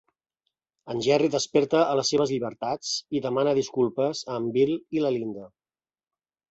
En Jerry desperta a les seves llibertats i demana disculpes a en Bill i la Linda.